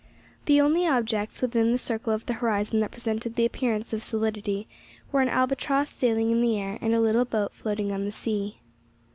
The only objects within the circle of the horizon that presented the appearance of solidity were an albatross sailing in the air, and a little boat floating on the sea.